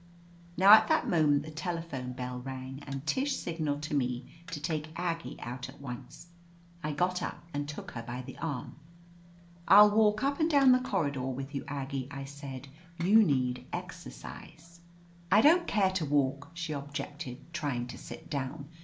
Now at that moment the telephone bell rang, ft and Tish signaled to me to take Aggie out at once. I got up and took her by the arm. "I'll walk up and down the corridor with you, Aggie," I said. You need exercise." "I don't care to walk," she objected, trying to sit down.